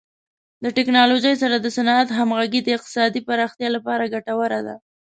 د ټکنالوژۍ سره د صنعت همغږي د اقتصادي پراختیا لپاره ګټوره ده.